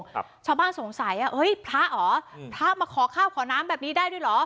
ครับชาวบ้านสงสัยอ่ะเฮ้ยพระเหรออืมพระมาขอข้าวขอน้ำแบบนี้ได้ด้วยเหรอ